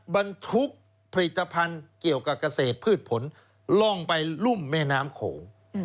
บรรทุกผลิตภัณฑ์เกี่ยวกับเกษตรพืชผลล่องไปรุ่มแม่น้ำโขง